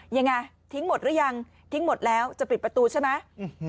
ยังไงทิ้งหมดหรือยังทิ้งหมดแล้วจะปิดประตูใช่ไหม